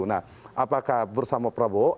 nah apakah bersama prabowo